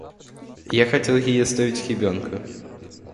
Я хотела ей оставить ребенка.